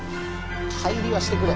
入りはしてくれ！